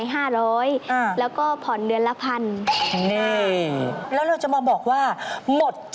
หรือก็ดาวน์ไป๕๐๐บาท